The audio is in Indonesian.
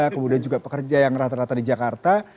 kemudian juga pekerja yang rata rata di jakarta